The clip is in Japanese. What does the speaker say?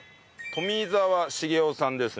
富澤茂雄さんですね。